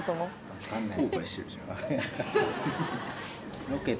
わかんない。